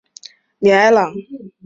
米埃朗。